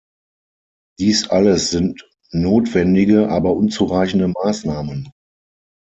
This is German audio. Dies alles sind notwendige, aber unzureichende Maßnahmen.